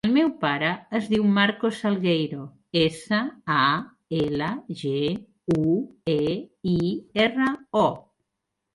El meu pare es diu Marcos Salgueiro: essa, a, ela, ge, u, e, i, erra, o.